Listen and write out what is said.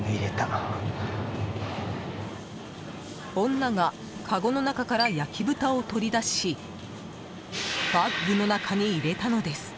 女が、かごの中から焼き豚を取り出しバッグの中に入れたのです。